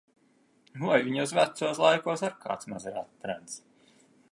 Vai viņos vecos laikos ar kāds maz ir atradis!